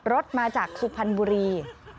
รถมาจากสุพรรณบุรี